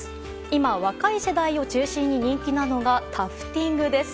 今、若い世代を中心に人気なのがタフティングです。